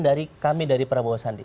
dari kami dari prabowo sandi